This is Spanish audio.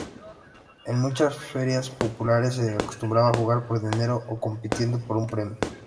En muchas ferias populares se acostumbra jugar por dinero o compitiendo por un premio.